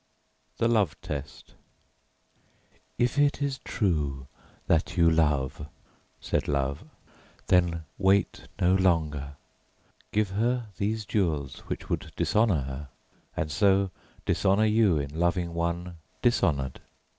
THE LOVE TEST "If it is true that you love," said Love, "then wait no longer. Give her these jewels which would dishonour her and so dishonour you in loving one dishonoured.